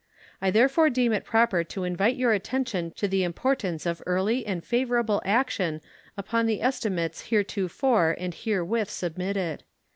I therefore deem it proper to invite your attention to the importance of early and favorable action upon the estimates heretofore and herewith submitted.